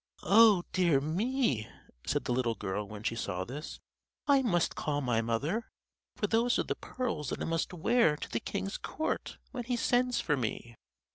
"Oh, dear me," said the little girl when she saw this, "I must call my mother; for these are the pearls that I must wear to the king's court, when he sends for me."